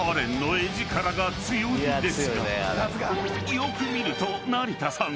［よく見ると成田さん